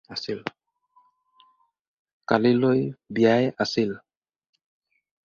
কালিলৈ বিয়াই আছিল।